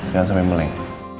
jangan sampai meleng